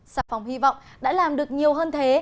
xà phòng hy vọng đã làm được nhiều hơn thế